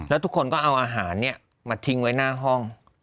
แล้วทุกคนก็เอาอาหารมาทิ้งไว้หน้าห้อง